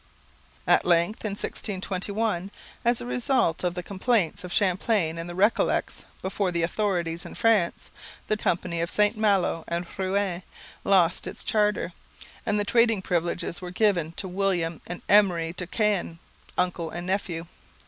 At length, in 1621, as a result of the complaints of Champlain and the Recollets, before the authorities in France, the Company of St Malo and Rouen lost its charter, and the trading privileges were given to William and Emery de Caen, uncle and nephew.